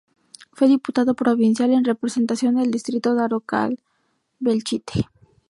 Fue Diputado Provincial en representación del distrito Daroca-Belchite.